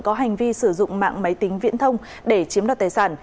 có hành vi sử dụng mạng máy tính viễn thông để chiếm đoạt tài sản